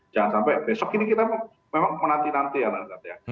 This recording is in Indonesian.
jangan sampai besok ini kita memang menanti nanti ya renhardt ya